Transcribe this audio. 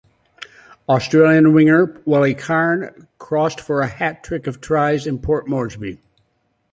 Australian winger Willie Carne crossed for a hat trick of tries in Port Moresby.